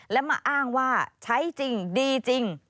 และมาอ้างว่าใช้จริงดีจริง